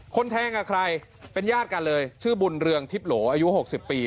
แทงกับใครเป็นญาติกันเลยชื่อบุญเรืองทิพย์โหลอายุ๖๐ปี